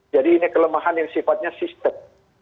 jadi ini kelemahan yang sifatnya sistem